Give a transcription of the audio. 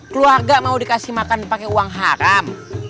keluarga mau dikasih makan pakai uang haram